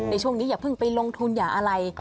ในช่วงนี้อย่าเพิ่งไปลงทุนอย่าอะไร